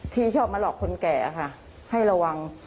ที่ชอบมาหลอกคนแก่ค่ะให้ระวัง